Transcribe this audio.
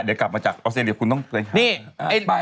เดี๋ยวกลับมาจากออสเตรียคุณต้องไป